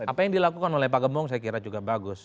apa yang dilakukan oleh pak gembong saya kira juga bagus